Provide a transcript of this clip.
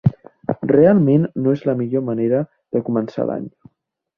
Realment no és la millor manera de començar l'any.